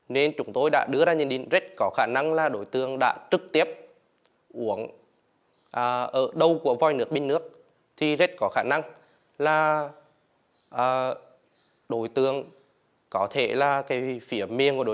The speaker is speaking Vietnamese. nên chúng tôi đã đưa ra nhận định rất có khả năng là đối tượng đã trực tiếp uống ở đầu của vòi nước bình nước thì rất có khả năng là đối tượng có thể là phía miền của đối tượng